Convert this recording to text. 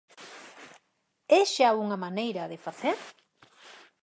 É xa unha maneira de facer?